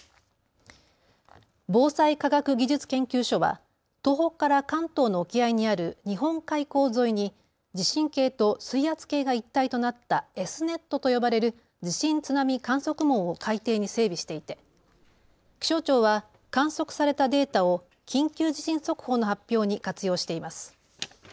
防災科学技術研究所は東北から関東の沖合にある日本海溝沿いに地震計と水圧計が一体となったＳーｎｅｔと呼ばれる地震津波観測網を海底に整備していて気象庁は観測されたデータを緊急地震速報の発表に活用しています。